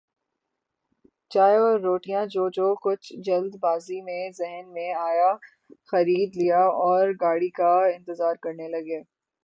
چائے اور روٹیاں جو جو کچھ جلد بازی میں ذہن میں آیا خرید لیااور گاڑی کا انتظار کرنے لگے ۔